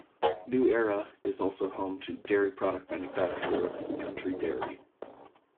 New Era is also home to dairy product manufacturer, Country Dairy.